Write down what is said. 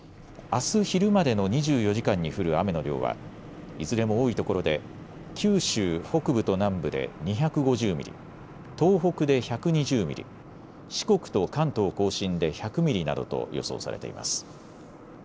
あす昼までの２４時間に降る雨の量はいずれも多いところで九州北部と南部で２５０ミリ東北で１２０ミリ、四国と関東甲信で１００ミリなどと予想されています。